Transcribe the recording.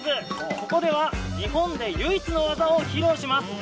ここでは日本で唯一の技を披露します。